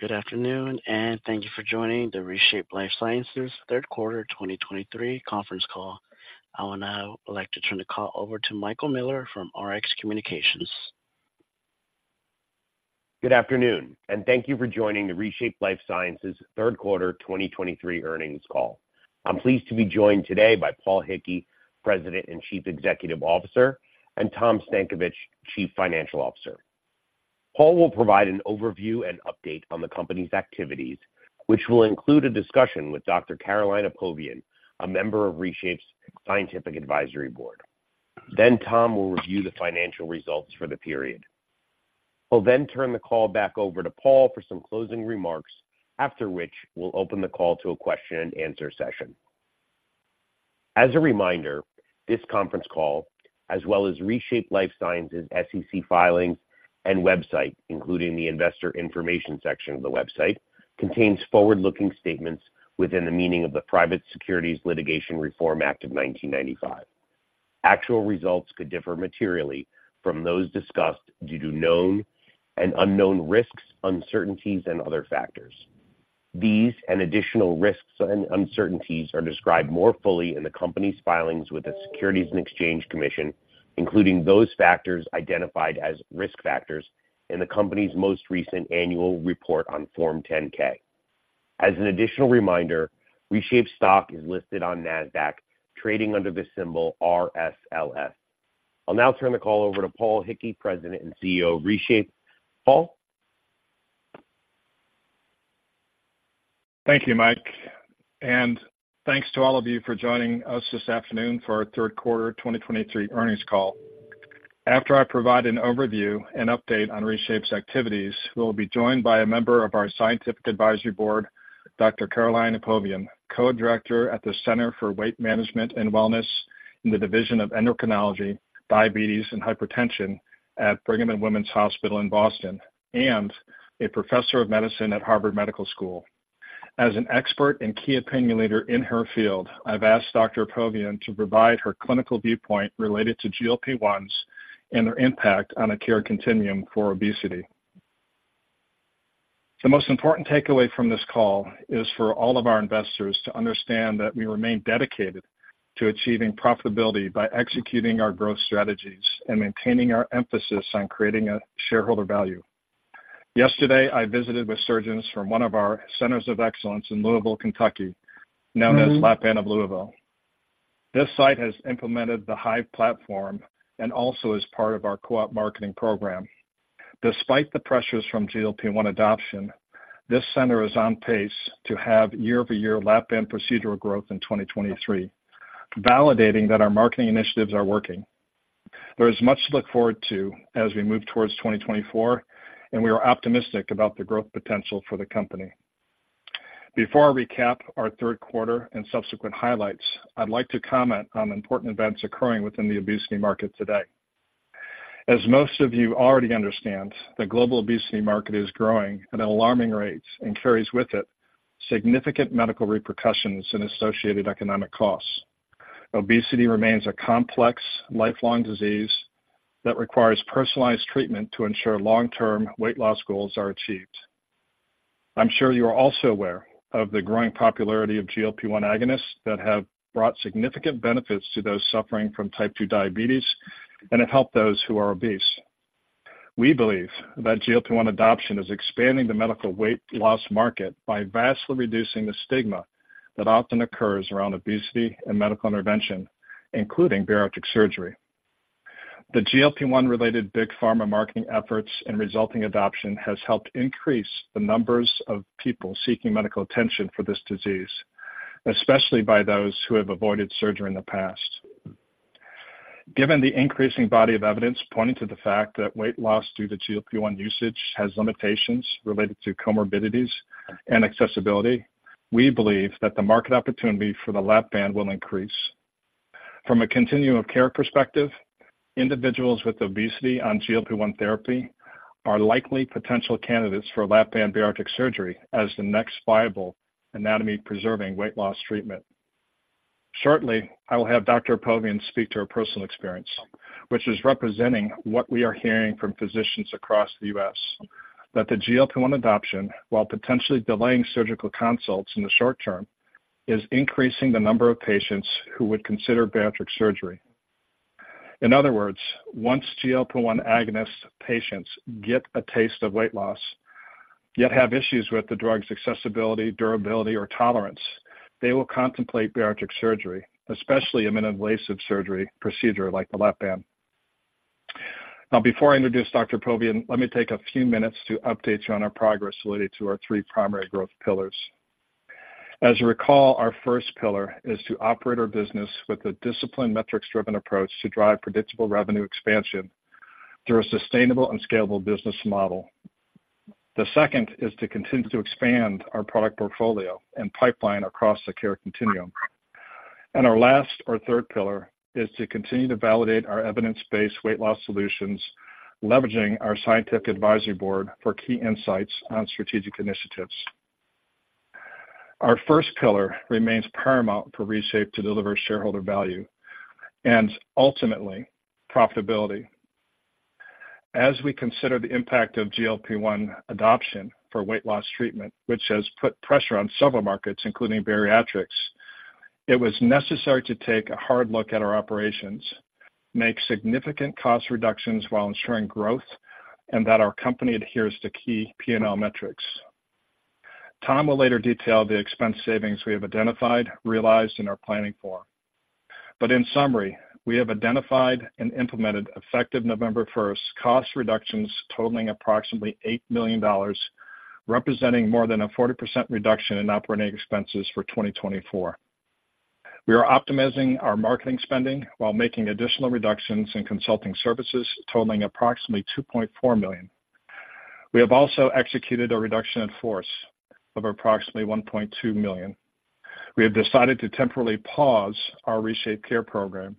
Good afternoon, and thank you for joining the ReShape Lifesciences third quarter 2023 conference call. I would now like to turn the call over to Michael Miller from Rx Communications. Good afternoon, and thank you for joining the ReShape Lifesciences third quarter 2023 earnings call. I'm pleased to be joined today by Paul Hickey, President and Chief Executive Officer, and Tom Stankovich, Chief Financial Officer. Paul will provide an overview and update on the company's activities, which will include a discussion with Dr. Caroline Apovian, a member of ReShape's Scientific Advisory Board. Then Tom will review the financial results for the period. We'll then turn the call back over to Paul for some closing remarks, after which we'll open the call to a Q&A session. As a reminder, this conference call, as well as ReShape Lifesciences' SEC filings and website, including the investor information section of the website, contains forward-looking statements within the meaning of the Private Securities Litigation Reform Act of 1995. Actual results could differ materially from those discussed due to known and unknown risks, uncertainties, and other factors. These and additional risks and uncertainties are described more fully in the company's filings with the Securities and Exchange Commission, including those factors identified as risk factors in the company's most recent annual report on Form 10-K. As an additional reminder, ReShape's stock is listed on Nasdaq, trading under the symbol RSLS. I'll now turn the call over to Paul Hickey, President and CEO of ReShape. Paul? Thank you, Mike, and thanks to all of you for joining us this afternoon for our third quarter 2023 earnings call. After I provide an overview and update on ReShape's activities, we'll be joined by a member of our scientific advisory board, Dr. Caroline Apovian, co-director at the Center for Weight Management and Wellness in the Division of Endocrinology, Diabetes, and Hypertension at Brigham and Women's Hospital in Boston, and a professor of medicine at Harvard Medical School. As an expert and key opinion leader in her field, I've asked Dr. Apovian to provide her clinical viewpoint related to GLP-1s and their impact on a care continuum for obesity. The most important takeaway from this call is for all of our investors to understand that we remain dedicated to achieving profitability by executing our growth strategies and maintaining our emphasis on creating shareholder value. Yesterday, I visited with surgeons from one of our centers of excellence in Louisville, Kentucky, known as Lap-Band of Louisville. This site has implemented the Hive platform and also is part of our co-op marketing program. Despite the pressures from GLP-1 adoption, this center is on pace to have year-over-year Lap-Band procedural growth in 2023, validating that our marketing initiatives are working. There is much to look forward to as we move towards 2024, and we are optimistic about the growth potential for the company. Before I recap our third quarter and subsequent highlights, I'd like to comment on important events occurring within the obesity market today. As most of you already understand, the global obesity market is growing at an alarming rate and carries with it significant medical repercussions and associated economic costs. Obesity remains a complex, lifelong disease that requires personalized treatment to ensure long-term weight loss goals are achieved. I'm sure you are also aware of the growing popularity of GLP-1 agonists that have brought significant benefits to those suffering from Type 2 diabetes and have helped those who are obese. We believe that GLP-1 adoption is expanding the medical weight loss market by vastly reducing the stigma that often occurs around obesity and medical intervention, including bariatric surgery. The GLP-1 related big pharma marketing efforts and resulting adoption has helped increase the numbers of people seeking medical attention for this disease, especially by those who have avoided surgery in the past. Given the increasing body of evidence pointing to the fact that weight loss due to GLP-1 usage has limitations related to comorbidities and accessibility, we believe that the market opportunity for the Lap-Band will increase. From a continuum of care perspective, individuals with obesity on GLP-1 therapy are likely potential candidates for Lap-Band bariatric surgery as the next viable anatomy-preserving weight loss treatment. Shortly, I will have Dr. Apovian speak to her personal experience, which is representing what we are hearing from physicians across the U.S., that the GLP-1 adoption, while potentially delaying surgical consults in the short term, is increasing the number of patients who would consider bariatric surgery. In other words, once GLP-1 agonist patients get a taste of weight loss, yet have issues with the drug's accessibility, durability or tolerance, they will contemplate bariatric surgery, especially a minimally invasive surgery procedure like the Lap-Band. Now, before I introduce Dr. Apovian, let me take a few minutes to update you on our progress related to our three primary growth pillars. As you recall, our first pillar is to operate our business with a disciplined, metrics-driven approach to drive predictable revenue expansion through a sustainable and scalable business model. The second is to continue to expand our product portfolio and pipeline across the care continuum. Our last or third pillar is to continue to validate our evidence-based weight loss solutions, leveraging our Scientific Advisory Board for key insights on strategic initiatives... Our first pillar remains paramount for ReShape to deliver shareholder value and ultimately profitability. As we consider the impact of GLP-1 adoption for weight loss treatment, which has put pressure on several markets, including bariatrics, it was necessary to take a hard look at our operations, make significant cost reductions while ensuring growth, and that our company adheres to key P&L metrics. Tom will later detail the expense savings we have identified, realized, and are planning for. But in summary, we have identified and implemented, effective November 1, cost reductions totaling approximately $8 million, representing more than a 40% reduction in operating expenses for 2024. We are optimizing our marketing spending while making additional reductions in consulting services totaling approximately $2.4 million. We have also executed a reduction in force of approximately $1.2 million. We have decided to temporarily pause our ReShapeCare program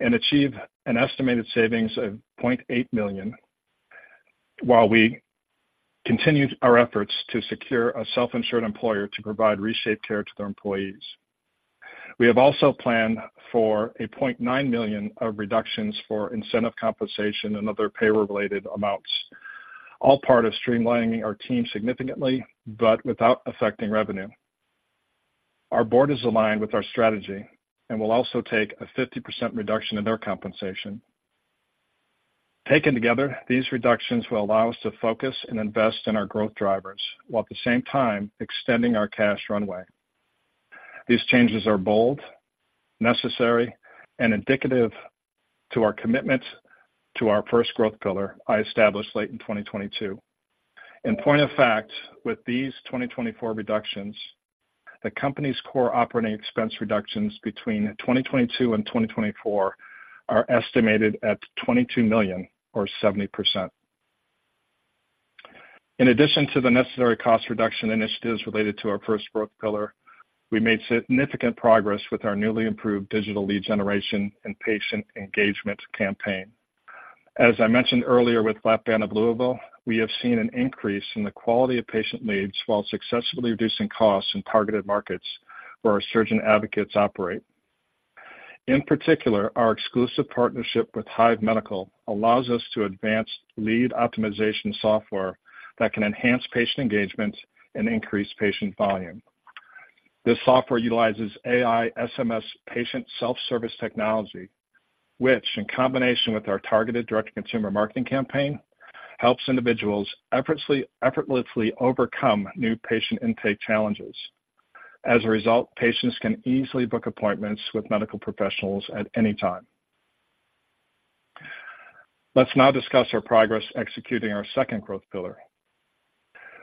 and achieve an estimated savings of $0.8 million, while we continue our efforts to secure a self-insured employer to provide ReShapeCare to their employees. We have also planned for a $0.9 million of reductions for incentive compensation and other payer-related amounts, all part of streamlining our team significantly, but without affecting revenue. Our board is aligned with our strategy and will also take a 50% reduction in their compensation. Taken together, these reductions will allow us to focus and invest in our growth drivers, while at the same time extending our cash runway. These changes are bold, necessary, and indicative to our commitment to our first growth pillar I established late in 2022. In point of fact, with these 2024 reductions, the company's core operating expense reductions between 2022 and 2024 are estimated at $22 million or 70%. In addition to the necessary cost reduction initiatives related to our first growth pillar, we made significant progress with our newly improved digital lead generation and patient engagement campaign. As I mentioned earlier, with Lap-Band of Louisville, we have seen an increase in the quality of patient leads while successfully reducing costs in targeted markets where our surgeon advocates operate. In particular, our exclusive partnership with Hive Medical allows us to advance lead optimization software that can enhance patient engagement and increase patient volume. This software utilizes AI SMS patient self-service technology, which, in combination with our targeted direct-to-consumer marketing campaign, helps individuals effortlessly overcome new patient intake challenges. As a result, patients can easily book appointments with medical professionals at any time. Let's now discuss our progress executing our second growth pillar.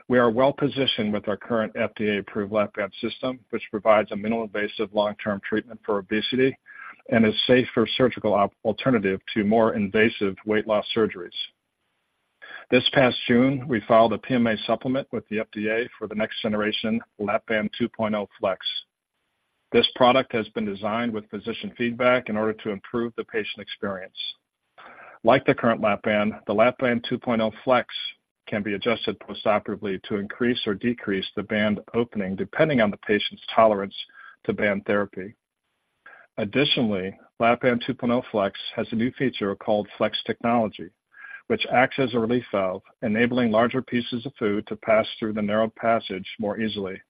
We are well positioned with our current FDA-approved Lap-Band System, which provides a minimally invasive long-term treatment for obesity and is a safe surgical alternative to more invasive weight loss surgeries. This past June, we filed a PMA supplement with the FDA for the next generation Lap-Band 2.0 FLEX. This product has been designed with physician feedback in order to improve the patient experience. Like the current Lap-Band, the Lap-Band 2.0 FLEX can be adjusted postoperatively to increase or decrease the band opening, depending on the patient's tolerance to band therapy. Additionally, Lap-Band 2.0 FLEX has a new feature called Flex Technology, which acts as a relief valve, enabling larger pieces of food to pass through the narrowed passage more easily.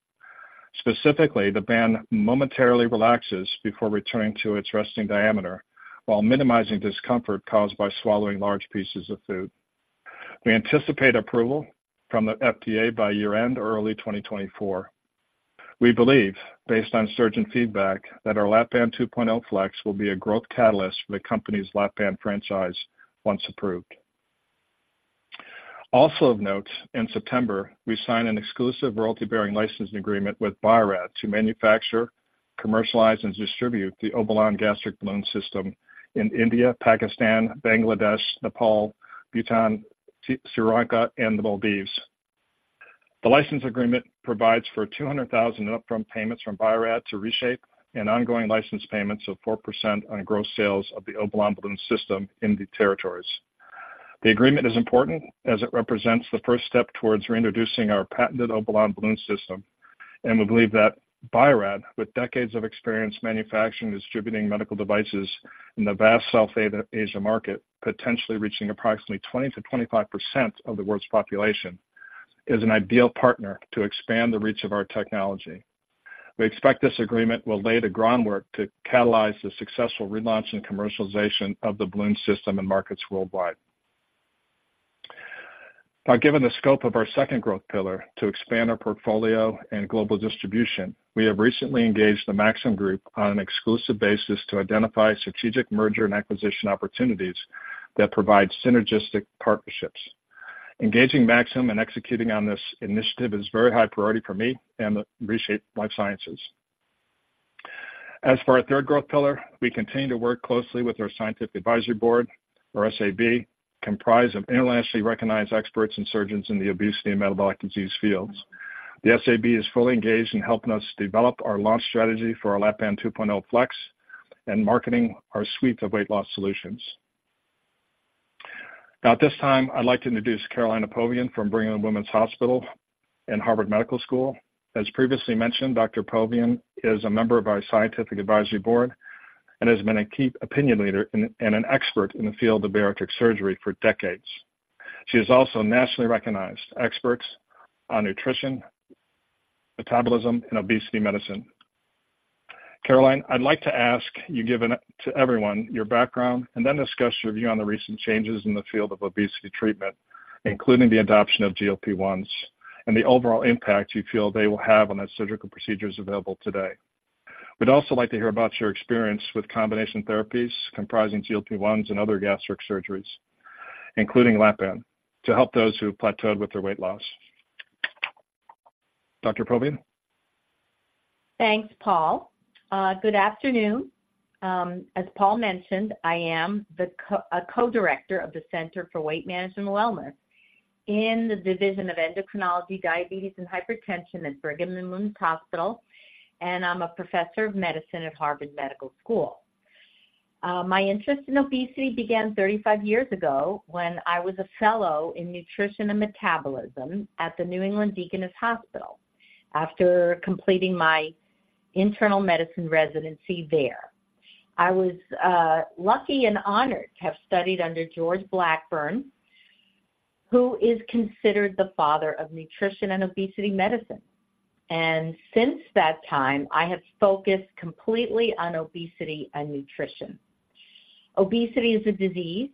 Specifically, the band momentarily relaxes before returning to its resting diameter, while minimizing discomfort caused by swallowing large pieces of food. We anticipate approval from the FDA by year-end, early 2024. We believe, based on surgeon feedback, that our Lap-Band 2.0 FLEX will be a growth catalyst for the company's Lap-Band franchise once approved. Also of note, in September, we signed an exclusive royalty-bearing licensing agreement with Biorad to manufacture, commercialize, and distribute the Obalon Gastric Balloon System in India, Pakistan, Bangladesh, Nepal, Bhutan, Sri Lanka, and the Maldives. The license agreement provides for $200,000 upfront payments from Biorad to ReShape and ongoing license payments of 4% on gross sales of the Obalon Gastric Balloon System in the territories. The agreement is important as it represents the first step towards reintroducing our patented Obalon Gastric Balloon System, and we believe that Biorad, with decades of experience manufacturing and distributing medical devices in the vast South Asia market, potentially reaching approximately 20%-25% of the world's population, is an ideal partner to expand the reach of our technology. We expect this agreement will lay the groundwork to catalyze the successful relaunch and commercialization of the balloon system in markets worldwide. Now, given the scope of our second growth pillar to expand our portfolio and global distribution, we have recently engaged the Maxim Group on an exclusive basis to identify strategic merger and acquisition opportunities that provide synergistic partnerships. Engaging Maxim and executing on this initiative is very high priority for me and ReShape Lifesciences. As for our third growth pillar, we continue to work closely with our Scientific Advisory Board, or SAB, comprised of internationally recognized experts and surgeons in the obesity and metabolic disease fields. The SAB is fully engaged in helping us develop our launch strategy for our Lap-Band 2.0 FLEX and marketing our suite of weight loss solutions.... Now, at this time, I'd like to introduce Caroline Apovian from Brigham and Women's Hospital and Harvard Medical School. As previously mentioned, Dr. Apovian is a member of our Scientific Advisory Board and has been a key opinion leader and an expert in the field of bariatric surgery for decades. She is also a nationally recognized expert on nutrition, metabolism, and obesity medicine. Caroline, I'd like to ask you, give to everyone your background and then discuss your view on the recent changes in the field of obesity treatment, including the adoption of GLP-1s and the overall impact you feel they will have on the surgical procedures available today. We'd also like to hear about your experience with combination therapies comprising GLP-1s and other gastric surgeries, including Lap-Band, to help those who have plateaued with their weight loss. Dr. Apovian? Thanks, Paul. Good afternoon. As Paul mentioned, I am a co-director of the Center for Weight Management and Wellness in the Division of Endocrinology, Diabetes, and Hypertension at Brigham and Women's Hospital, and I'm a professor of medicine at Harvard Medical School. My interest in obesity began 35 years ago when I was a fellow in nutrition and metabolism at the New England Deaconess Hospital after completing my internal medicine residency there. I was lucky and honored to have studied under George Blackburn, who is considered the father of nutrition and obesity medicine, and since that time, I have focused completely on obesity and nutrition. Obesity is a disease,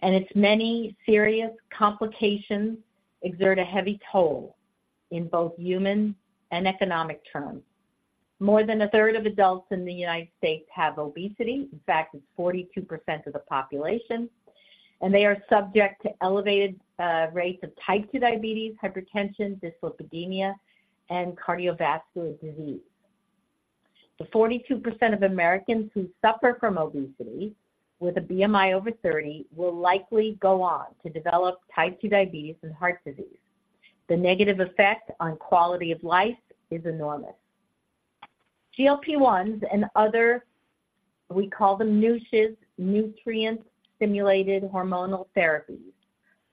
and its many serious complications exert a heavy toll in both human and economic terms. More than a third of adults in the United States have obesity. In fact, it's 42% of the population, and they are subject to elevated rates of Type 2 diabetes, hypertension, dyslipidemia, and cardiovascular disease. The 42% of Americans who suffer from obesity with a BMI over 30 will likely go on to develop Type 2 diabetes and heart disease. The negative effect on quality of life is enormous. GLP-1s and other, we call them NSHs, nutrient-stimulated hormonal therapies,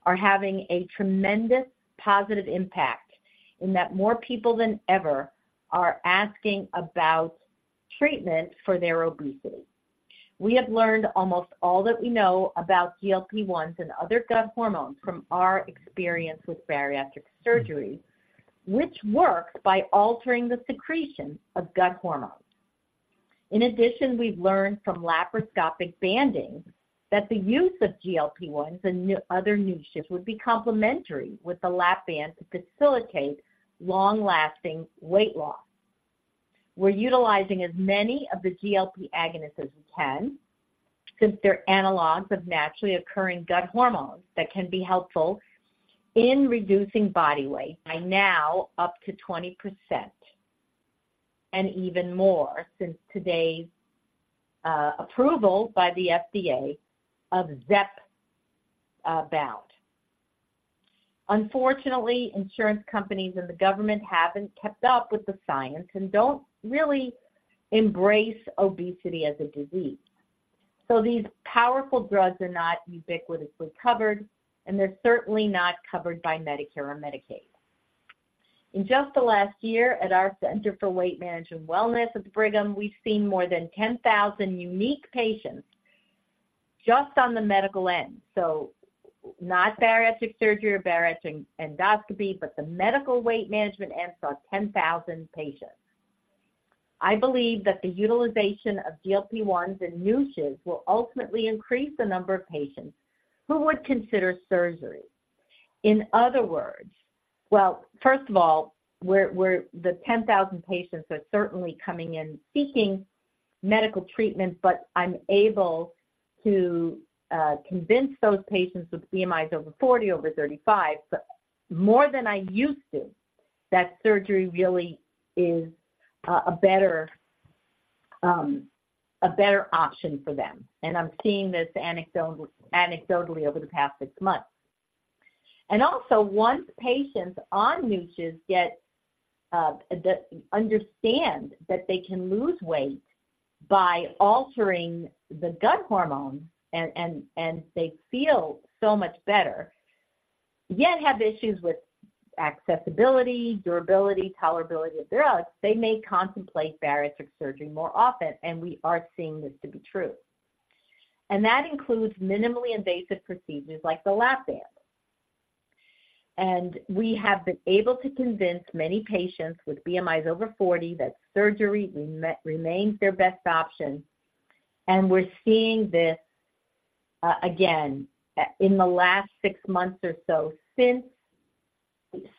are having a tremendous positive impact in that more people than ever are asking about treatment for their obesity. We have learned almost all that we know about GLP-1s and other gut hormones from our experience with bariatric surgery, which works by altering the secretion of gut hormones. In addition, we've learned from laparoscopic banding that the use of GLP-1s and new, other NSHs would be complementary with the Lap-Band to facilitate long-lasting weight loss. We're utilizing as many of the GLP agonists as we can, since they're analogs of naturally occurring gut hormones that can be helpful in reducing body weight by now up to 20%, and even more since today's approval by the FDA of Zepbound. Unfortunately, insurance companies and the government haven't kept up with the science and don't really embrace obesity as a disease. So these powerful drugs are not ubiquitously covered, and they're certainly not covered by Medicare or Medicaid. In just the last year at our Center for Weight Management and Wellness at the Brigham, we've seen more than 10,000 unique patients just on the medical end. So not bariatric surgery or bariatric endoscopy, but the medical weight management end saw 10,000 patients. I believe that the utilization of GLP-1s and NSHs will ultimately increase the number of patients who would consider surgery. In other words... Well, first of all, we're the 10,000 patients are certainly coming in seeking medical treatment, but I'm able to convince those patients with BMIs over 40, over 35, but more than I used to, that surgery really is a better option for them. I'm seeing this anecdotally over the past six months. Also, once patients on NSHs get understand that they can lose weight by altering the gut hormone and, and, and they feel so much better, yet have issues with accessibility, durability, tolerability of drugs, they may contemplate bariatric surgery more often, and we are seeing this to be true. That includes minimally invasive procedures like the Lap-Band. We have been able to convince many patients with BMIs over 40 that surgery remains their best option, and we're seeing this again in the last six months or so, since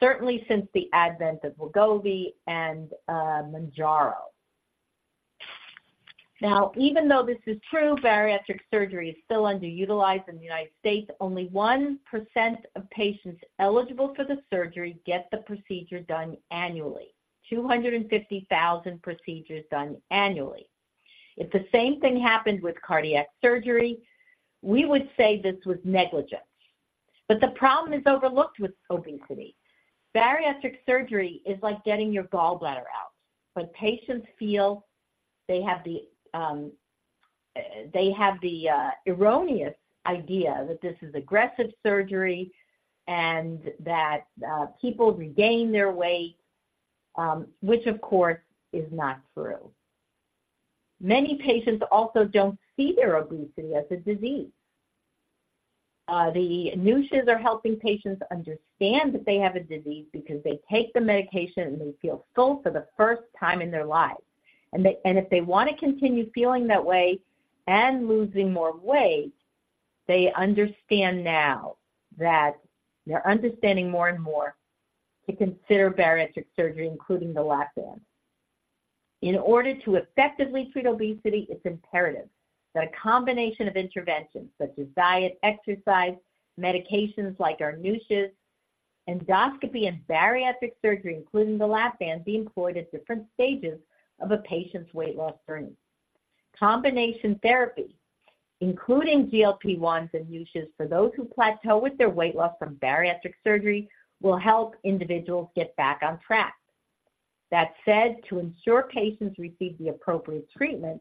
certainly since the advent of Wegovy and Mounjaro. Now, even though this is true, bariatric surgery is still underutilized in the United States. Only 1% of patients eligible for the surgery get the procedure done annually, 250,000 procedures done annually. If the same thing happened with cardiac surgery, we would say this was negligence, but the problem is overlooked with obesity. Bariatric surgery is like getting your gallbladder out, but patients feel they have the erroneous idea that this is aggressive surgery and that people regain their weight, which of course, is not true. Many patients also don't see their obesity as a disease. The new NSHs are helping patients understand that they have a disease because they take the medication, and they feel full for the first time in their lives. And if they want to continue feeling that way and losing more weight, they understand now that they're understanding more and more to consider bariatric surgery, including the Lap-Band. In order to effectively treat obesity, it's imperative that a combination of interventions such as diet, exercise, medications like our new NSHs, endoscopy, and bariatric surgery, including the Lap-Band, be employed at different stages of a patient's weight loss journey. Combination therapy, including GLP-1s and new NSHs for those who plateau with their weight loss from bariatric surgery, will help individuals get back on track. That said, to ensure patients receive the appropriate treatment,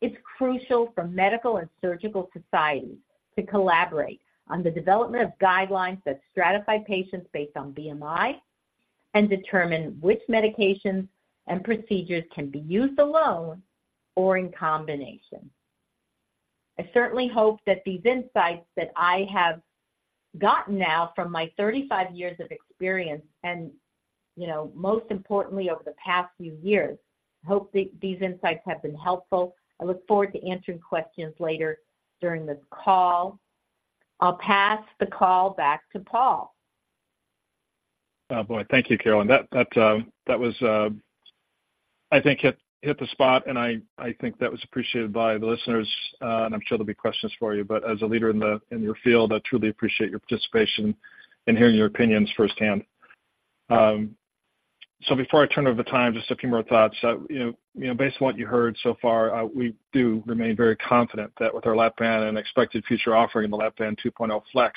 it's crucial for medical and surgical societies to collaborate on the development of guidelines that stratify patients based on BMI and determine which medications and procedures can be used alone or in combination. I certainly hope that these insights that I have gotten now from my 35 years of experience and, you know, most importantly, over the past few years, I hope these insights have been helpful. I look forward to answering questions later during this call. I'll pass the call back to Paul. Oh, boy. Thank you, Caroline. That was, I think hit the spot, and I think that was appreciated by the listeners, and I'm sure there'll be questions for you. But as a leader in your field, I truly appreciate your participation in hearing your opinions firsthand. So before I turn over the time, just a few more thoughts. You know, based on what you heard so far, we do remain very confident that with our Lap-Band and expected future offering in the Lap-Band 2.0 FLEX,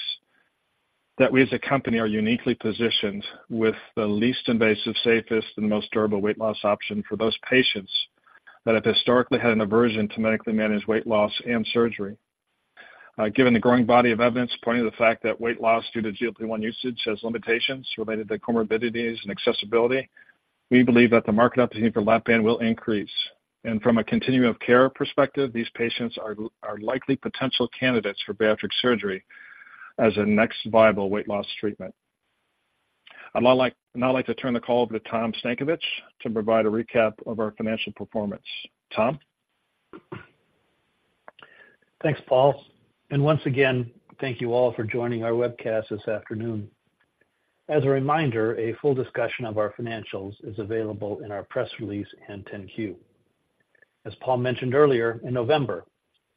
that we, as a company, are uniquely positioned with the least invasive, safest, and most durable weight loss option for those patients that have historically had an aversion to medically managed weight loss and surgery. Given the growing body of evidence pointing to the fact that weight loss due to GLP-1 usage has limitations related to comorbidities and accessibility, we believe that the market opportunity for Lap-Band will increase. From a continuum of care perspective, these patients are likely potential candidates for bariatric surgery as a next viable weight loss treatment. I'd now like to turn the call over to Tom Stankovich to provide a recap of our financial performance. Tom? Thanks, Paul, and once again, thank you all for joining our webcast this afternoon. As a reminder, a full discussion of our financials is available in our press release and 10-Q. As Paul mentioned earlier, in November,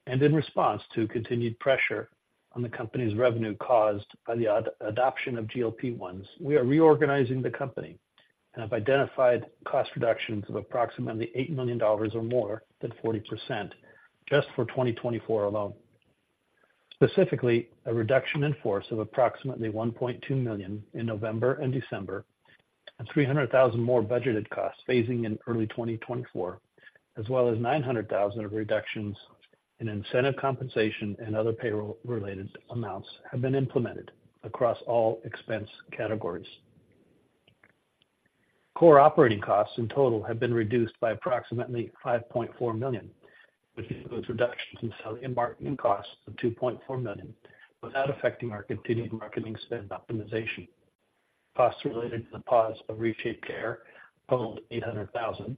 and in response to continued pressure on the company's revenue caused by the adoption of GLP-1s, we are reorganizing the company and have identified cost reductions of approximately $8 million or more than 40% just for 2024 alone. Specifically, a reduction in force of approximately $1.2 million in November and December, and $300,000 more budgeted costs, phasing in early 2024, as well as $900,000 of reductions in incentive compensation and other payroll-related amounts, have been implemented across all expense categories. Core operating costs in total have been reduced by approximately $5.4 million, which includes reductions in selling and marketing costs of $2.4 million, without affecting our continued marketing spend optimization. Costs related to the pause of ReShapeCare totaled $800,000.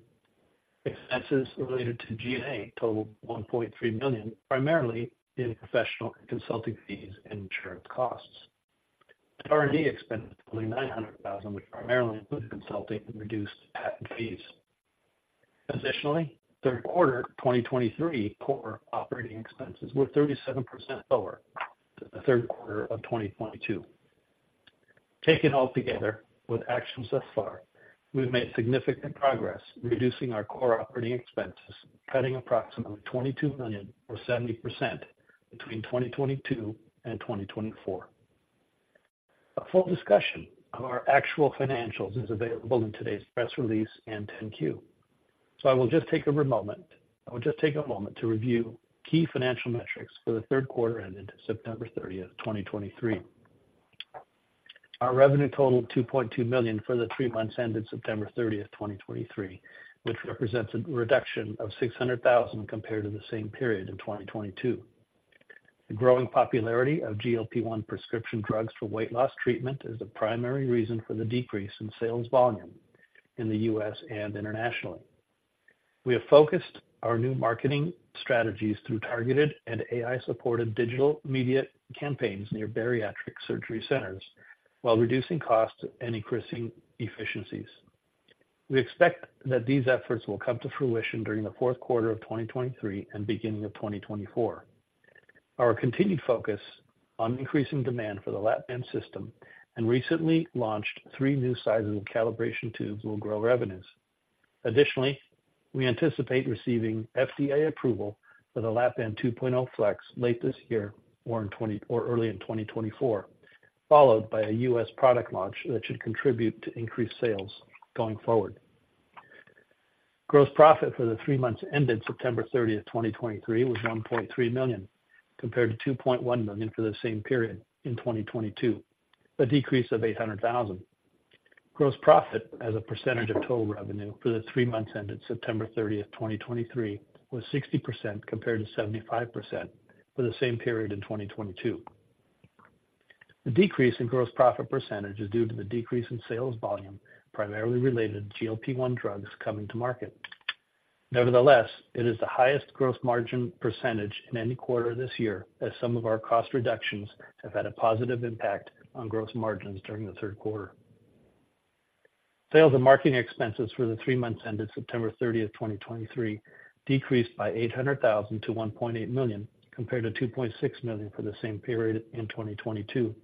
Expenses related to G&A totaled $1.3 million, primarily in professional and consulting fees and insurance costs. The R&D expense was only $900,000, which primarily included consulting and reduced patent fees. Additionally, third quarter 2023 core operating expenses were 37% lower than the third quarter of 2022. Taken all together, with actions thus far, we've made significant progress reducing our core operating expenses, cutting approximately $22 million or 70% between 2022 and 2024. A full discussion of our actual financials is available in today's press release and 10-Q. So I will just take a moment to review key financial metrics for the third quarter ended September 30, 2023. Our revenue totaled $2.2 million for the three months ended September 30, 2023, which represents a reduction of $600,000 compared to the same period in 2022. The growing popularity of GLP-1 prescription drugs for weight loss treatment is the primary reason for the decrease in sales volume in the U.S. and internationally. We have focused our new marketing strategies through targeted and AI-supported digital media campaigns near bariatric surgery centers while reducing costs and increasing efficiencies. We expect that these efforts will come to fruition during the fourth quarter of 2023 and beginning of 2024. Our continued focus on increasing demand for the Lap-Band system and recently launched three new sizes of calibration tubes will grow revenues. Additionally, we anticipate receiving FDA approval for the Lap-Band 2.0 FLEX late this year or early in 2024, followed by a U.S. product launch that should contribute to increased sales going forward. Gross profit for the three months ended September 30, 2023, was $1.3 million, compared to $2.1 million for the same period in 2022, a decrease of $800,000. Gross profit as a percentage of total revenue for the three months ended September 30, 2023, was 60%, compared to 75% for the same period in 2022. The decrease in gross profit percentage is due to the decrease in sales volume, primarily related to GLP-1 drugs coming to market. Nevertheless, it is the highest growth margin percentage in any quarter this year, as some of our cost reductions have had a positive impact on gross margins during the third quarter. Sales and marketing expenses for the three months ended September 30, 2023, decreased by $800,000 to $1.8 million, compared to $2.6 million for the same period in 2022.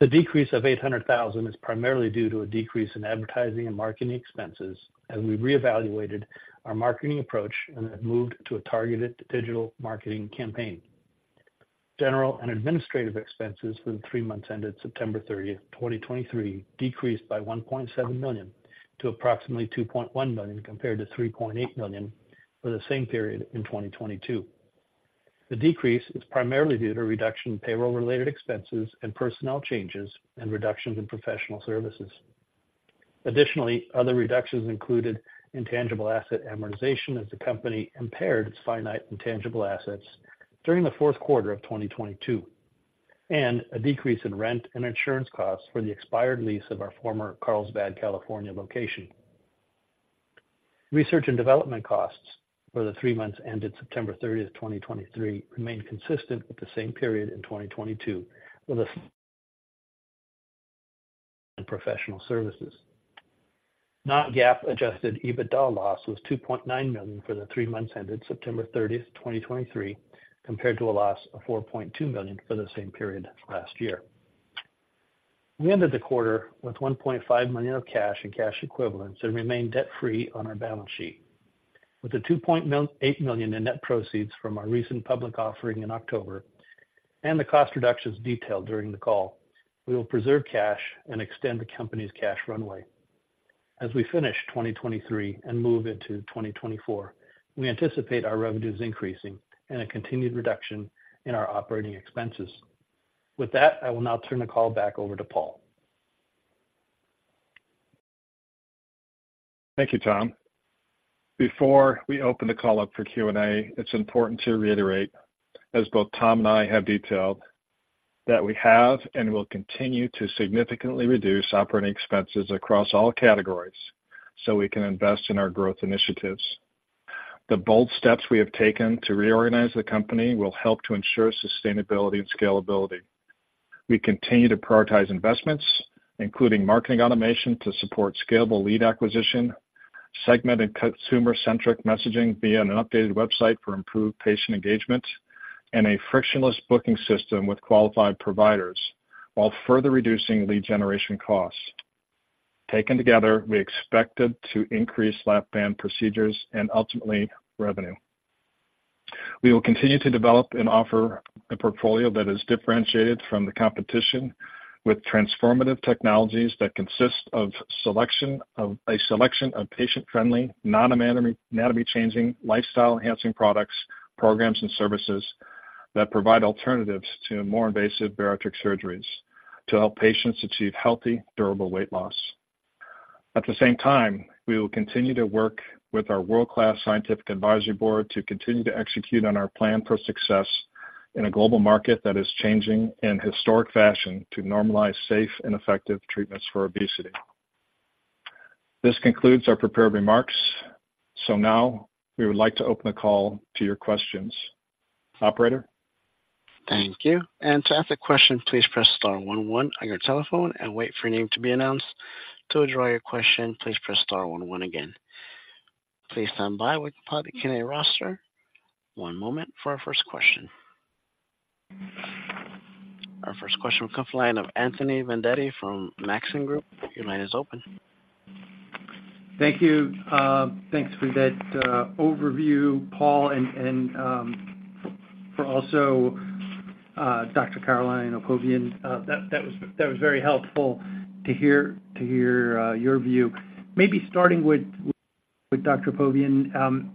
The decrease of $800,000 is primarily due to a decrease in advertising and marketing expenses as we reevaluated our marketing approach and have moved to a targeted digital marketing campaign. General and administrative expenses for the three months ended September 30, 2023, decreased by $1.7 million to approximately $2.1 million, compared to $3.8 million for the same period in 2022. The decrease is primarily due to a reduction in payroll-related expenses and personnel changes, and reductions in professional services. Additionally, other reductions included intangible asset amortization, as the company impaired its finite intangible assets during the fourth quarter of 2022, and a decrease in rent and insurance costs for the expired lease of our former Carlsbad, California, location. Research and development costs for the three months ended September 30, 2023, remained consistent with the same period in 2022, with and professional services. Non-GAAP adjusted EBITDA loss was $2.9 million for the three months ended September 30, 2023, compared to a loss of $4.2 million for the same period last year. We ended the quarter with $1.5 million of cash and cash equivalents and remain debt-free on our balance sheet. With the $2.8 million in net proceeds from our recent public offering in October and the cost reductions detailed during the call, we will preserve cash and extend the company's cash runway. As we finish 2023 and move into 2024, we anticipate our revenues increasing and a continued reduction in our operating expenses. With that, I will now turn the call back over to Paul. Thank you, Tom. Before we open the call up for Q&A, it's important to reiterate, as both Tom and I have detailed, that we have and will continue to significantly reduce operating expenses across all categories so we can invest in our growth initiatives. The bold steps we have taken to reorganize the company will help to ensure sustainability and scalability. We continue to prioritize investments, including marketing automation to support scalable lead acquisition, segmented consumer-centric messaging via an updated website for improved patient engagement, and a frictionless booking system with qualified providers, while further reducing lead generation costs. Taken together, we expected to increase Lap-Band procedures and ultimately, revenue. We will continue to develop and offer a portfolio that is differentiated from the competition, with transformative technologies that consist of selection of, a selection of patient-friendly, non-anatomy changing, lifestyle-enhancing products, programs, and services that provide alternatives to more invasive bariatric surgeries to help patients achieve healthy, durable weight loss. At the same time, we will continue to work with our world-class scientific advisory board to continue to execute on our plan for success in a global market that is changing in historic fashion to normalize safe and effective treatments for obesity. This concludes our prepared remarks. So now we would like to open the call to your questions. Operator? Thank you. To ask a question, please press star one one on your telephone and wait for your name to be announced. To withdraw your question, please press star one one again. Please stand by while we compile the Q&A roster. One moment for our first question. Our first question will come from the line of Anthony Vendetti from Maxim Group. Your line is open. Thank you. Thanks for that overview, Paul, and for also Dr. Caroline Apovian. That was very helpful to hear your view. Maybe starting with Dr. Apovian.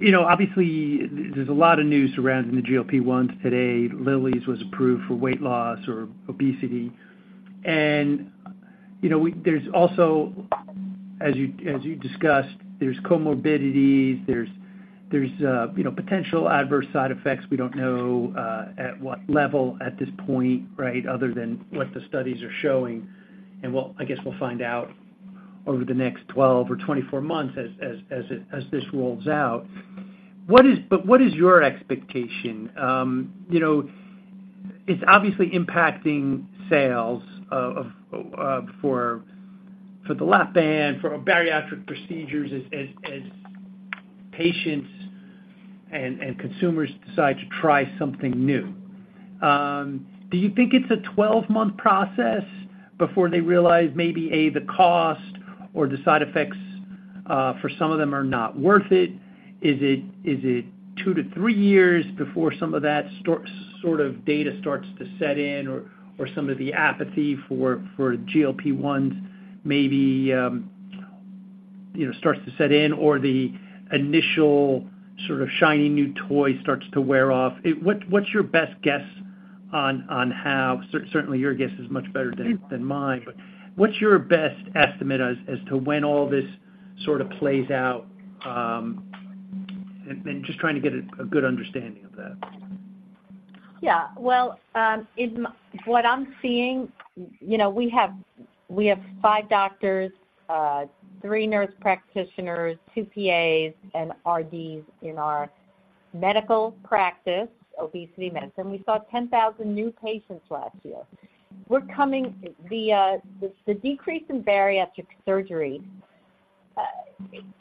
You know, obviously, there's a lot of news surrounding the GLP-1 today. Lilly's was approved for weight loss or obesity. And you know, there's also, as you discussed, there's comorbidities, there's potential adverse side effects. We don't know at what level at this point, right? Other than what the studies are showing. And I guess we'll find out over the next 12 or 24 months as this rolls out. What is... But what is your expectation? You know, it's obviously impacting sales of the Lap-Band for bariatric procedures, as patients and consumers decide to try something new. Do you think it's a 12-month process before they realize maybe A the cost or the side effects for some of them are not worth it? Is it two to three years before some of that sort of data starts to set in or some of the apathy for GLP-1s maybe you know starts to set in, or the initial sort of shiny new toy starts to wear off? What's your best guess on how—certainly, your guess is much better than mine, but what's your best estimate as to when all this sort of plays out, and just trying to get a good understanding of that? Yeah. Well, in what I'm seeing, you know, we have, we have five doctors, three nurse practitioners, two PAs, and RDs in our medical practice, obesity medicine. We saw 10,000 new patients last year. We're coming—the decrease in bariatric surgery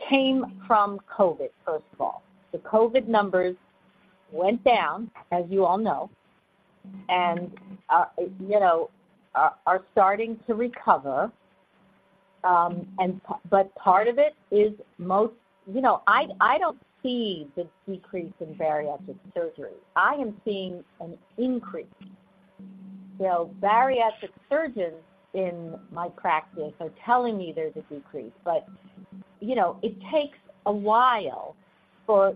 came from COVID, first of all. The COVID numbers went down, as you all know, and, you know, are starting to recover. But part of it is most... You know, I don't see the decrease in bariatric surgery. I am seeing an increase. You know, bariatric surgeons in my practice are telling me there's a decrease, but, you know, it takes a while for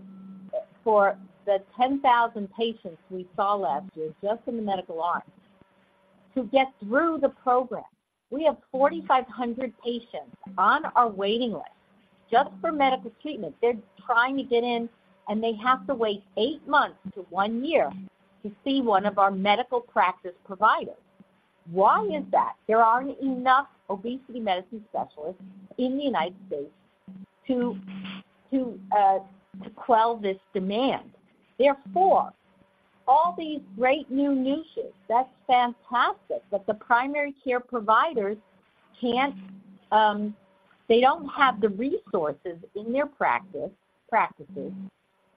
the 10,000 patients we saw last year, just in the medical arm, to get through the program. We have 4,500 patients on our waiting list just for medical treatment. They're trying to get in, and they have to wait eight months to one year to see one of our medical practice providers. Why is that? There aren't enough obesity medicine specialists in the United States to quell this demand. Therefore, all these great new niches, that's fantastic, but the primary care providers can't, they don't have the resources in their practices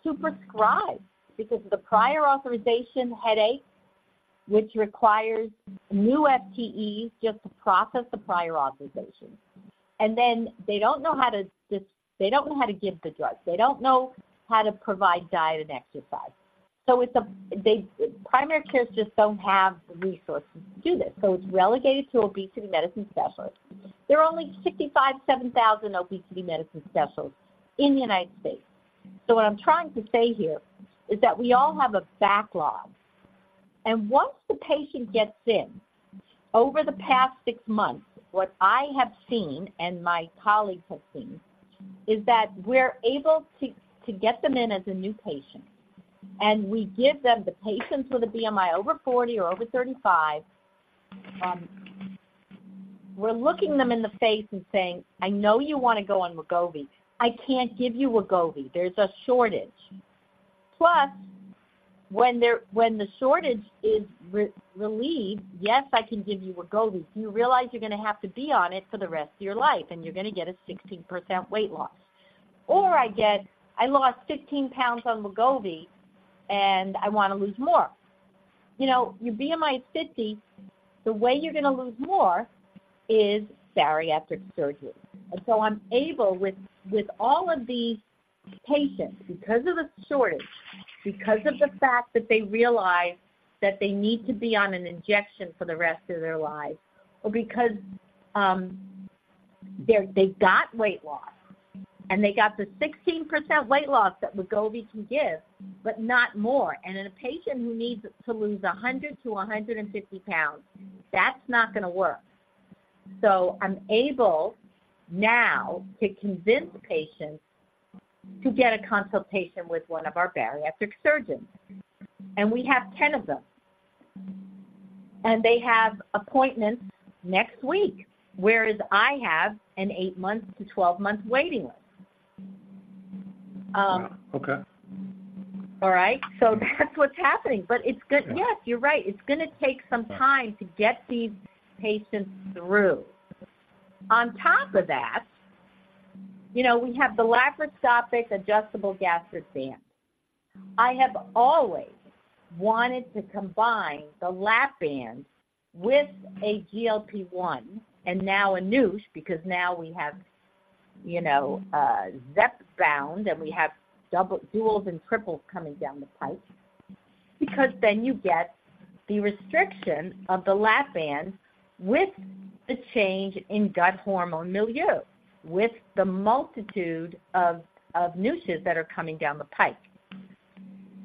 to prescribe because of the prior authorization headache, which requires new FTEs just to process the prior authorization. And then they don't know how to give the drugs. They don't know how to provide diet and exercise. So it's a, primary cares just don't have the resources to do this, so it's relegated to obesity medicine specialists. There are only 65,700 obesity medicine specialists in the United States. So what I'm trying to say here is that we all have a backlog, and once the patient gets in, over the past six months, what I have seen, and my colleagues have seen, is that we're able to get them in as a new patient, and we give them the patients with a BMI over 40 or over 35, we're looking them in the face and saying, "I know you want to go on Wegovy. I can't give you Wegovy. There's a shortage." Plus, when the shortage is relieved, "Yes, I can give you Wegovy. Do you realize you're going to have to be on it for the rest of your life, and you're going to get a 16% weight loss?" Or I get, "I lost 15 pounds on Wegovy, and I want to lose more." You know, your BMI is 50. The way you're going to lose more is bariatric surgery. And so I'm able, with, with all of these patients, because of the shortage, because of the fact that they realize that they need to be on an injection for the rest of their lives, or because they're, they got weight loss, and they got the 16% weight loss that Wegovy can give, but not more. And in a patient who needs to lose 100-150 pounds, that's not going to work. So I'm able now to convince patients to get a consultation with one of our bariatric surgeons, and we have 10 of them. And they have appointments next week, whereas I have an eight-month to 12-month waiting list. Wow! Okay. All right, so that's what's happening, but it's good- Yeah. Yes, you're right. It's going to take some time- Yeah... to get these patients through. On top of that, you know, we have the laparoscopic-adjustable gastric band. I have always wanted to combine the Lap-Band with a GLP-1, and now an NSHs, because now we have, you know, Zepbound, and we have doubles, duals and triples coming down the pipe. Because then you get the restriction of the Lap-Band with the change in gut hormone milieu, with the multitude of NSHs that are coming down the pipe.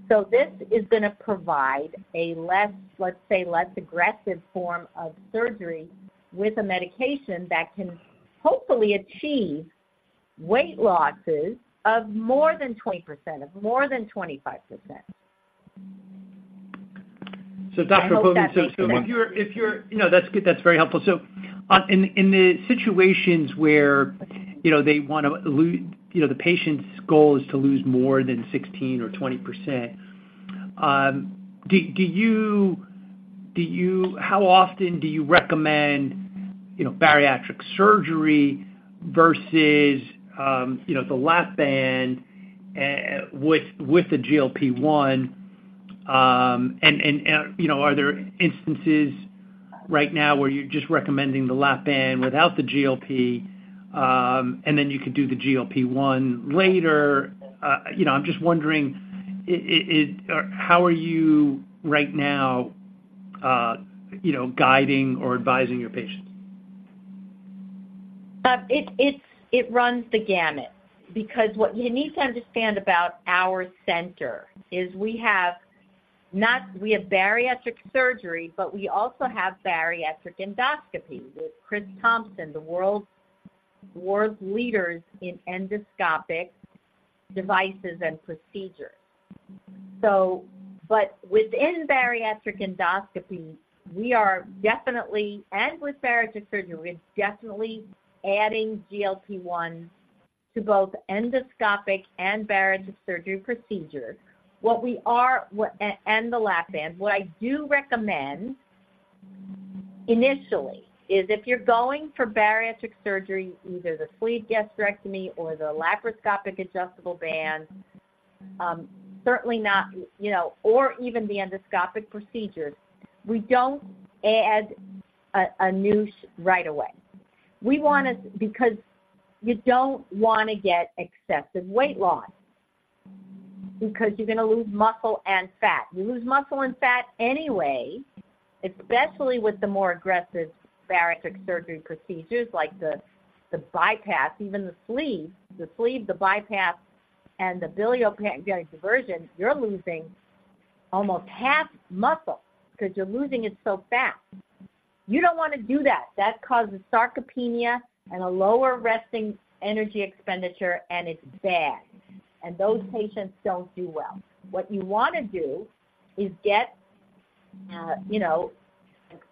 So this is going to provide a less, let's say, less aggressive form of surgery with a medication that can hopefully achieve weight losses of more than 20%, of more than 25%. So, Dr. Cohen- I hope that answers that. So if you're... No, that's good. That's very helpful. So in the situations where, you know, they want to lose, you know, the patient's goal is to lose more than 16% or 20%, do you—how often do you recommend, you know, bariatric surgery versus, you know, the Lap-Band with the GLP-1? And, you know, are there instances right now where you're just recommending the Lap-Band without the GLP, and then you could do the GLP-1 later? You know, I'm just wondering or how are you right now, you know, guiding or advising your patients? It runs the gamut. Because what you need to understand about our center is we have bariatric surgery, but we also have bariatric endoscopy with Chris Thompson, the world leaders in endoscopic devices and procedures. So but within bariatric endoscopy, we are definitely, and with bariatric surgery, we're definitely adding GLP-1 to both endoscopic and bariatric surgery procedures. And the Lap-Band, what I do recommend initially is if you're going for bariatric surgery, either the sleeve gastrectomy or the laparoscopic adjustable band, certainly not, you know, or even the endoscopic procedures, we don't add a GLP-1 right away. We want it because you don't wanna get excessive weight loss, because you're going to lose muscle and fat. You lose muscle and fat anyway, especially with the more aggressive bariatric surgery procedures like the, the bypass, even the sleeve. The sleeve, the bypass, and the biliopancreatic diversion, you're losing almost half muscle because you're losing it so fast. You don't want to do that. That causes sarcopenia and a lower resting energy expenditure, and it's bad, and those patients don't do well. What you want to do is get, you know,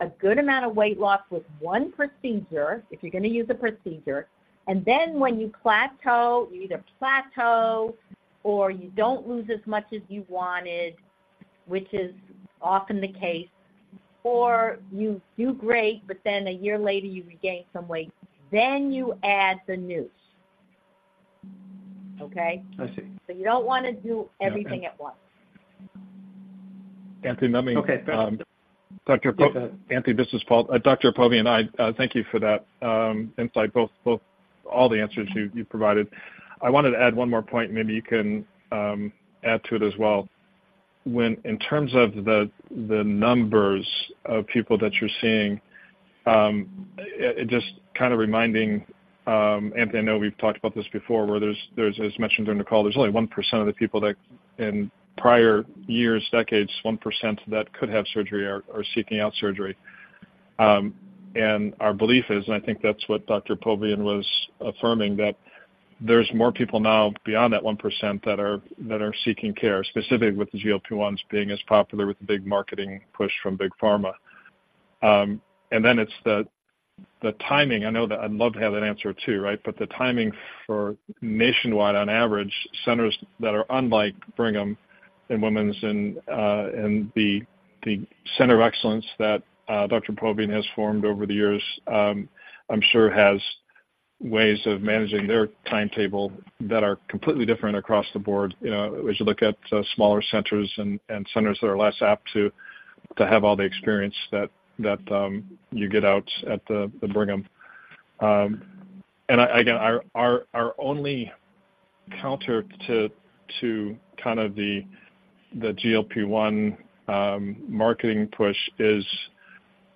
a good amount of weight loss with one procedure, if you're going to use a procedure, and then when you plateau, you either plateau or you don't lose as much as you wanted, which is often the case, or you do great, but then a year later, you've regained some weight, then you add the noose. Okay? I see. So you don't want to do everything at once. Anthony, let me- Okay. Dr. Po- Go ahead. Anthony, this is Paul. Dr. Apovian, I thank you for that insight, both all the answers you provided. I wanted to add one more point, maybe you can add to it as well. When in terms of the numbers of people that you're seeing, just kind of reminding Anthony, I know we've talked about this before, where there's, as mentioned during the call, there's only 1% of the people that in prior years, decades, 1% that could have surgery are seeking out surgery. And our belief is, and I think that's what Dr. Apovian was affirming, that there's more people now beyond that 1% that are seeking care, specifically with the GLP-1s being as popular with the big marketing push from Big Pharma. And then it's the timing. I know that I'd love to have that answer, too, right? But the timing for nationwide on average, centers that are unlike Brigham and Women's and the center of excellence that Dr. Apovian has formed over the years, I'm sure has ways of managing their timetable that are completely different across the board. You know, as you look at smaller centers and centers that are less apt to have all the experience that you get out at the Brigham. And again, our only counter to kind of the GLP-1 marketing push is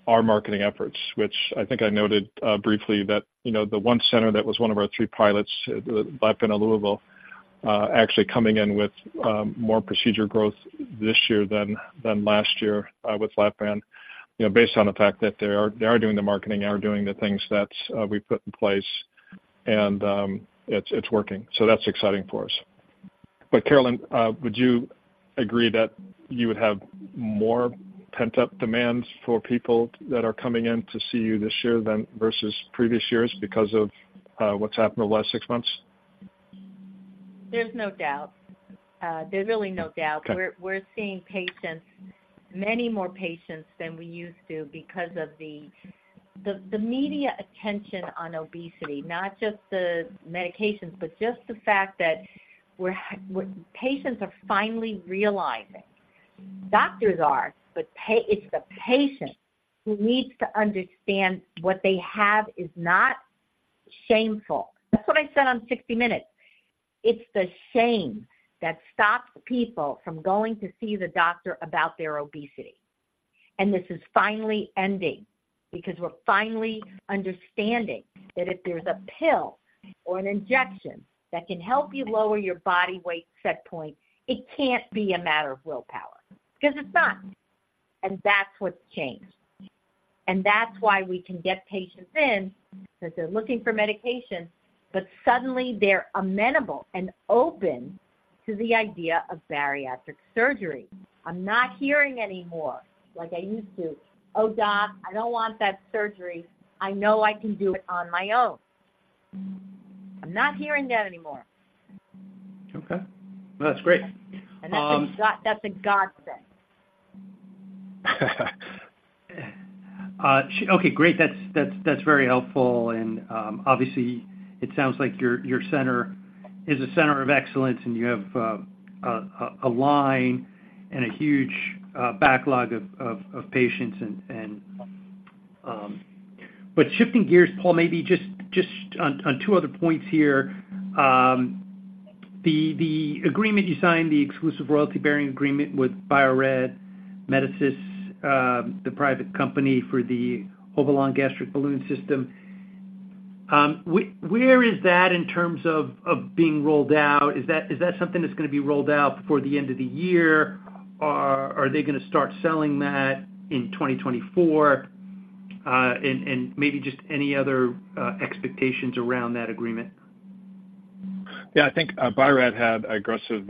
our marketing efforts, which I think I noted briefly that you know, the one center that was one of our three pilots, Lap-Band in Louisville, actually coming in with more procedure growth this year than last year with Lap-Band, you know, based on the fact that they are doing the marketing, doing the things that we put in place, and it's working. So that's exciting for us. But Caroline, would you agree that you would have more pent-up demands for people that are coming in to see you this year than versus previous years because of what's happened in the last six months? There's no doubt. There's really no doubt. Okay. We're seeing patients, many more patients than we used to because of the media attention on obesity, not just the medications, but just the fact that patients are finally realizing. Doctors are, but it's the patient who needs to understand what they have is not shameful. That's what I said on 60 Minutes. It's the shame that stops people from going to see the doctor about their obesity. And this is finally ending because we're finally understanding that if there's a pill or an injection that can help you lower your body weight set point, it can't be a matter of willpower, 'cause it's not. And that's what's changed. And that's why we can get patients in, because they're looking for medication, but suddenly they're amenable and open to the idea of bariatric surgery. I'm not hearing anymore like I used to: "Oh, doc, I don't want that surgery. I know I can do it on my own." I'm not hearing that anymore. Okay. No, that's great, That's a godsend. Okay, great. That's very helpful. And, obviously, it sounds like your center is a center of excellence, and you have a line and a huge backlog of patients and... But shifting gears, Paul, maybe just on two other points here. The agreement you signed, the Exclusive Royalty-Bearing agreement with Biorad Medisys, the private company for the Obalon Gastric Balloon System. Where is that in terms of being rolled out? Is that something that's gonna be rolled out before the end of the year, or are they gonna start selling that in 2024? And maybe just any other expectations around that agreement. Yeah, I think Biorad had aggressive,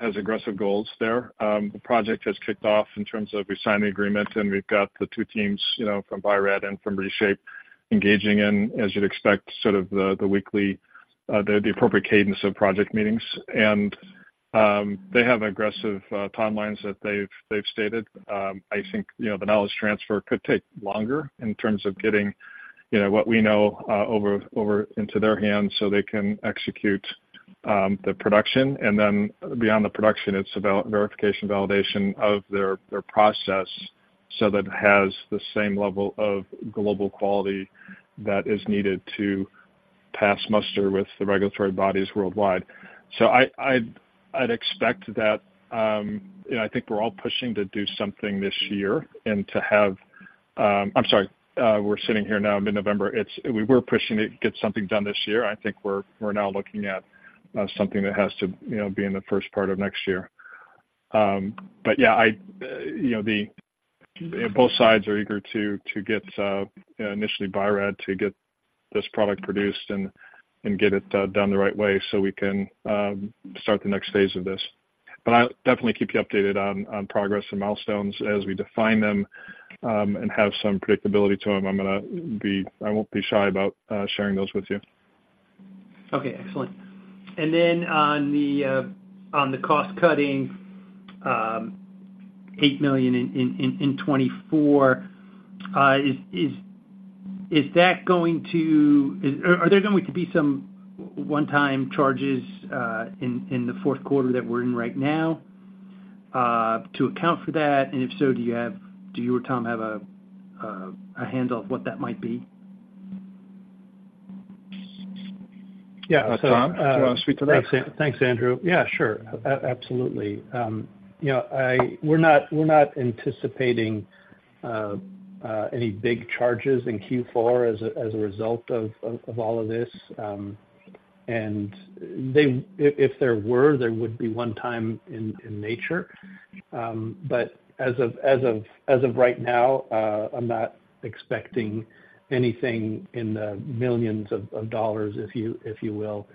has aggressive goals there. The project has kicked off in terms of we signed the agreement, and we've got the two teams, you know, from Biorad and from ReShape engaging in, as you'd expect, sort of the weekly, the appropriate cadence of project meetings. And, they have aggressive timelines that they've stated. I think, you know, the knowledge transfer could take longer in terms of getting, you know, what we know over into their hands so they can execute the production. And then beyond the production, it's about verification, validation of their process, so that it has the same level of global quality that is needed to pass muster with the regulatory bodies worldwide. So I'd expect that. You know, I think we're all pushing to do something this year and to have... I'm sorry, we're sitting here now, mid-November. It's we were pushing to get something done this year. I think we're, we're now looking at something that has to, you know, be in the first part of next year. But, yeah, I, you know, the, both sides are eager to, to get, initially Biorad to get this product produced and, and get it, done the right way so we can, start the next phase of this. But I'll definitely keep you updated on, on progress and milestones as we define them, and have some predictability to them. I'm gonna be-- I won't be shy about, sharing those with you. Okay, excellent. And then on the cost cutting, $8 million in 2024, is that going to- Are there going to be some one-time charges in the fourth quarter that we're in right now to account for that? And if so, do you or Tom have a handle of what that might be? Yeah. Tom, do you want to speak to that? Thanks, Andrew. Yeah, sure. Absolutely. You know, we're not anticipating any big charges in Q4 as a result of all of this. And if there were, there would be one time in nature. But as of right now, I'm not expecting anything in the millions of dollars, if you will.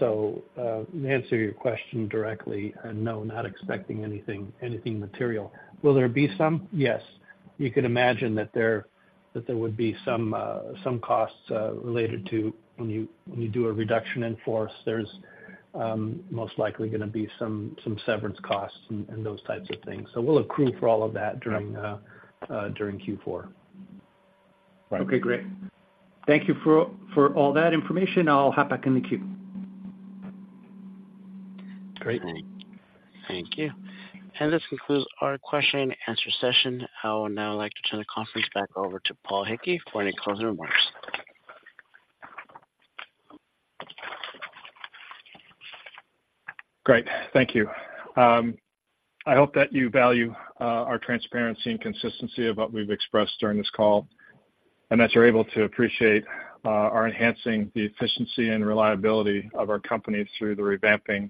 So, to answer your question directly, no, not expecting anything material. Will there be some? Yes. You could imagine that there would be some costs related to when you do a reduction in force. There's most likely gonna be some severance costs and those types of things. So we'll accrue for all of that during- Yeah... during Q4. Okay, great. Thank you for all that information. I'll hop back in the queue. Great. Thank you. This concludes our question and answer session. I would now like to turn the conference back over to Paul Hickey for any closing remarks. Great. Thank you. I hope that you value our transparency and consistency of what we've expressed during this call, and that you're able to appreciate our enhancing the efficiency and reliability of our company through the revamping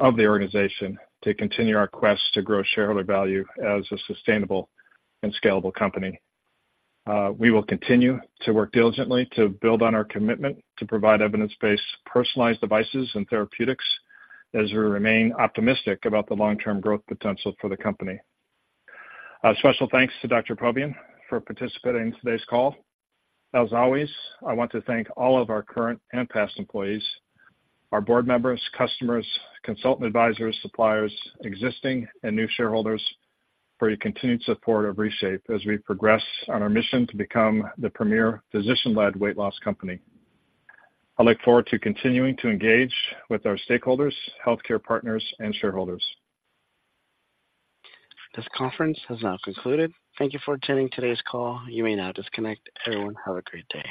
of the organization to continue our quest to grow shareholder value as a sustainable and scalable company. We will continue to work diligently to build on our commitment to provide evidence-based personalized devices and therapeutics as we remain optimistic about the long-term growth potential for the company. A special thanks to Dr. Apovian for participating in today's call. As always, I want to thank all of our current and past employees, our board members, customers, consultant, advisors, suppliers, existing and new shareholders for your continued support of ReShape as we progress on our mission to become the premier physician-led weight loss company. I look forward to continuing to engage with our stakeholders, healthcare partners, and shareholders. This conference has now concluded. Thank you for attending today's call. You may now disconnect. Everyone, have a great day.